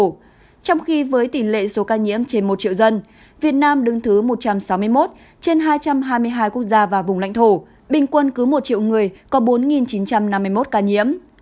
trong khi với tỷ lệ số ca nhiễm trên một triệu dân việt nam đứng thứ một trăm sáu mươi một trên hai trăm hai mươi hai quốc gia và vùng lãnh thổ bình quân cứ một triệu người có bốn chín trăm năm mươi một ca nhiễm